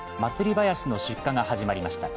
ばやしの出荷が始まりました。